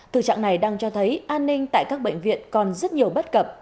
thực trạng này đang cho thấy an ninh tại các bệnh viện còn rất nhiều bất cập